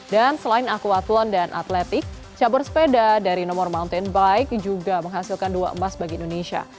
dan selain aquathlon dan atletik cabur sepeda dari nomor mountain bike juga menghasilkan dua emas bagi indonesia